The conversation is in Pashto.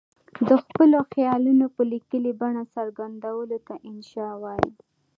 د خپلو خیالونو په لیکلې بڼه څرګندولو ته انشأ وايي.